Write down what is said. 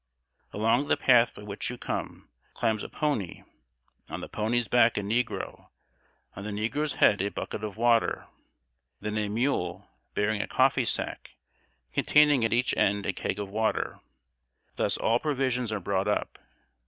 Along the path by which you came, climbs a pony; on the pony's back a negro; on the negro's head a bucket of water; then a mule, bearing a coffee sack, containing at each end a keg of water. Thus all provisions are brought up.